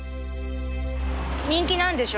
人気なんでしょ？